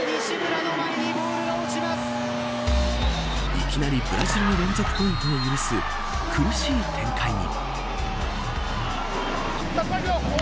いきなりブラジルの連続ポイントを許す苦しい展開に。